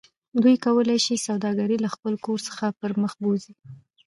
دوی کولی شي سوداګرۍ له خپل کور څخه پرمخ بوځي